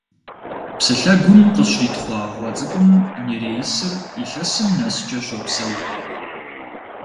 Псы лъэгум къыщритхъуа гъуэ цӀыкӀум нереисыр илъэсым нэскӀэ щопсэу.